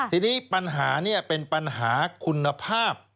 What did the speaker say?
ทีนี้ปัญหานี้เป็นปัญหาคุณภาพ